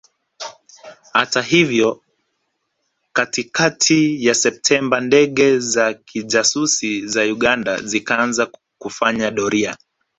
Hata hivyo katikakati ya Septemba ndege za kijasusi za Uganda zikaanza kufanya doria